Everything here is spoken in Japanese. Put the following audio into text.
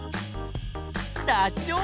ダチョウ。